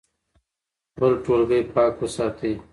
خپل ټولګی پاک وساتئ.